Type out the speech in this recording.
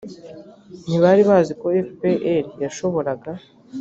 ntibari bazi ko fpr yashoboraga